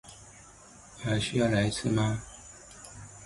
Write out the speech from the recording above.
He used the contract for his television series "The Fugitive".